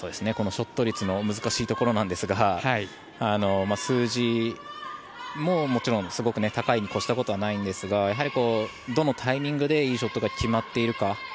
このショット率の難しいところなんですが数字ももちろんすごく高いに越したことはないんですがやはりどのタイミングでいいショットが決まっているか。